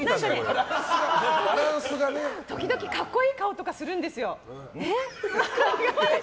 時々格好いい顔とかするんですよ。